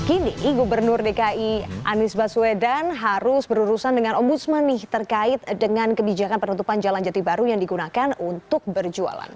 kini gubernur dki anies baswedan harus berurusan dengan ombudsman nih terkait dengan kebijakan penutupan jalan jati baru yang digunakan untuk berjualan